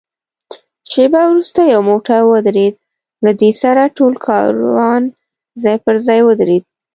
شېبه وروسته یو موټر ودرېد، له دې سره ټول کاروان ځای پر ځای ودرېد.